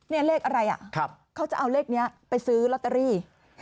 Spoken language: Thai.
นี่เลขอะไรอ่ะเขาจะเอาเลขนี้ไปซื้อลอตเตอรี่